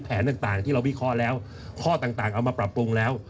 ต่างที่เราวิเคราะห์แล้วข้อต่างเอามาปรับปรุงแล้ว